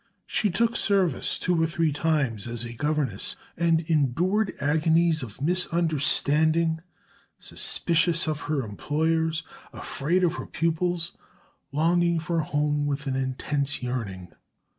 She took service two or three times as a governess, and endured agonies of misunderstanding, suspicious of her employers, afraid of her pupils, longing for home with an intense yearning.